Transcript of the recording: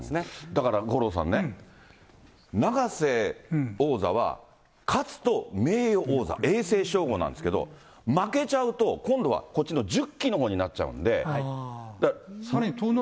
だから五郎さんね、永瀬王座は、勝つと名誉王座、永世称号なんですけど、負けちゃうと、今度はこっちの１０期のほうになっちゃうんで。